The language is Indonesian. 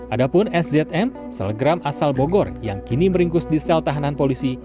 ada pun szm selegram asal bogor yang kini meringkus di sel tahanan polisi